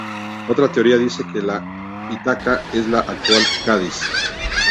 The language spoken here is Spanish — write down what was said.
Otra teoría dice que Ítaca es la actual Cádiz.